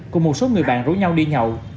cùng một số người bạn rối nhau đi nhậu